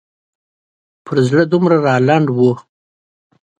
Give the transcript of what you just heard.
په زړه دومره رالنډ و.